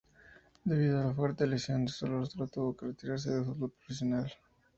Debido a una fuerte lesión en su rostro, tuvo que retirarse del fútbol profesional.